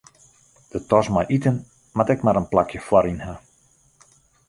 De tas mei iten moat ek mar in plakje foaryn ha.